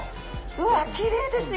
うわきれいですね！